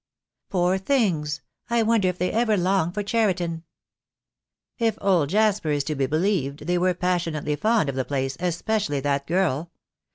"Poor things; I wonder if they ever long for Cheriton?" "If old Jasper is to be believed, they were passion ately fond of the place, especially that girl.